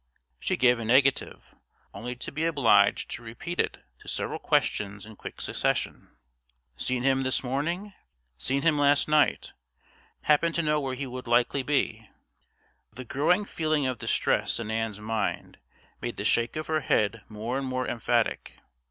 She gave a negative, only to be obliged to repeat it to several questions in quick succession. "Seen him this morning?" "Seen him last night?" "Happen to know where he would likely be?" The growing feeling of distress in Ann's mind made the shake of her head more and more emphatic.